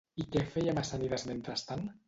I què feia Macànides mentrestant?